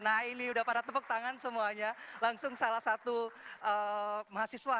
nah ini udah pada tepuk tangan semuanya langsung salah satu mahasiswa